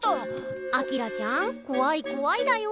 明ちゃんこわいこわいだよ！